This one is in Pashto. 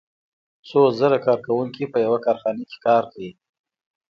څو زره کارکوونکي په یوه کارخانه کې کار کوي